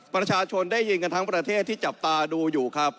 ประชาชนได้ยินกันทั้งประเทศที่จับตาดูอยู่ครับ